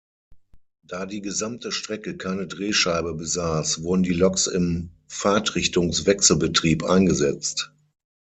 Da die gesamte Strecke keine Drehscheibe besaß, wurden die Loks im Fahrtrichtungs-Wechselbetrieb eingesetzt.